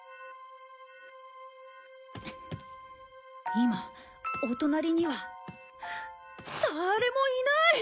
今お隣には誰もいない！